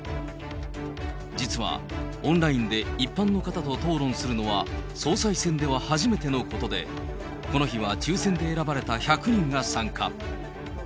実は、オンラインで一般の方と討論するのは、総裁選では初めてのことで、この日は抽せんで選ばれた１００人が参加。